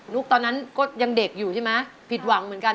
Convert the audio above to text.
ตอนนั้นก็ยังเด็กอยู่ใช่ไหมผิดหวังเหมือนกัน